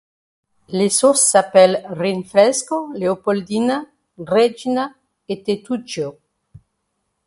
Les sources s'appellent: Rinfresco, Leopoldina, Regina et Tettuccio.